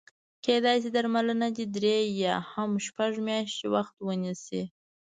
کېدای شي درملنه یې درې یا هم شپږ میاشتې وخت ونیسي.